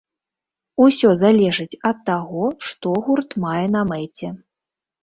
Усё залежыць ад таго, што гурт мае на мэце.